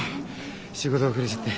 仕事で遅れちゃって。